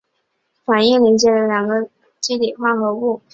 反应连接了两个羰基底物化合物。